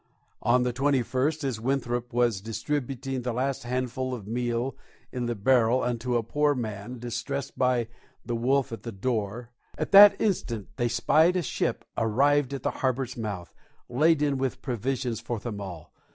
On the 21st, as Winthrop "was distributing the last handful of meal in the barrel unto a poor man distressed by the wolf at the door, at that instant they spied a ship arrived at the harbour's mouth, laden with provisions for them all."